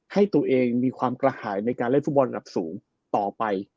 ให้ตัวเองมีความกระหายในการเล่นฟุตบอลระดับสูงต่อไป